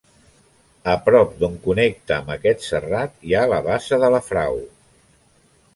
A prop d'on connecta amb aquest serrat hi ha la Bassa de la Frau.